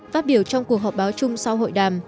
phát biểu trong cuộc họp báo chung sau hội đàm